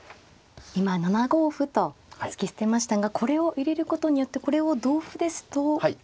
今７五歩と突き捨てましたがこれを入れることによってこれを同歩ですと。はい。